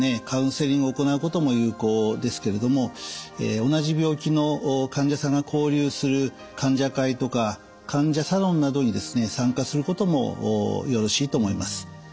カウンセリングを行うことも有効ですけれども同じ病気の患者さんが交流する患者会とか患者サロンなどにですね参加することもよろしいと思います。